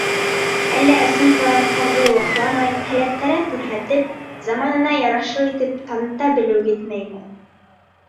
Әллә ысын таланттарҙы ваҡламай, һәләттәрен күрһәтеп, заманына ярашлы итеп таныта белеү етмәйме?